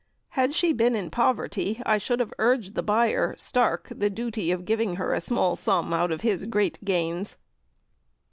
Had she been in poverty, I should have urged the buyer, Stark, the duty of giving her a small sum out of his great gains."